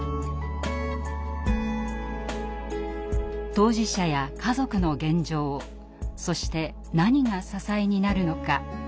当事者や家族の現状そして何が支えになるのか。